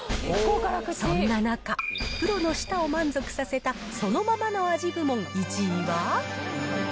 そんな中、プロの舌を満足させたそのままの味部門１位は。